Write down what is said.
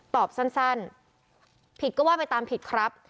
ตอบสั้นผิดก็ว่าไปตามผิดครับ